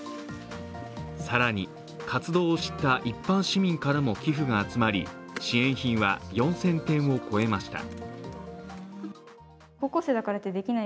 更に活動を知った一般市民からも寄付が集まり支援品は４０００点を超えました。